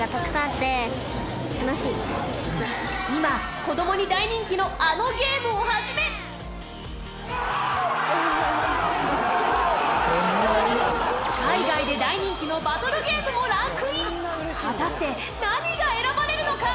今、子どもに大人気のあのゲームをはじめ海外で大人気のバトルゲームもランクイン果たして何が選ばれるのか？